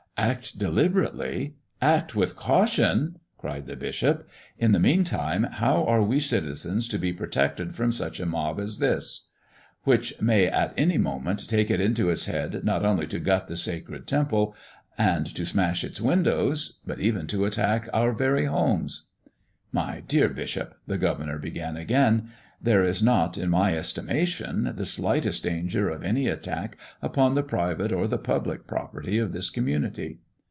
"Act deliberately! Act with caution!" cried the bishop. "In the mean time, how are we citizens to be protected from such a mob as this, which may at any moment take it into its head not only to gut the sacred Temple and to smash its windows, but even to attack our very homes?" "My dear bishop," the governor began again, "there is not, in my estimation, the slightest danger of any attack upon the private or the public property of this community."